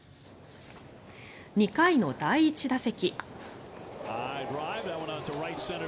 ２回の第１打席。